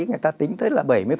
người ta tính tới là bảy mươi